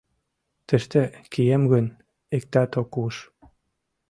Тыште кием гын, иктат ок уж.